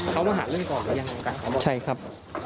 เขามาหาเรื่องก่อนแล้วยังไงใช่ครับ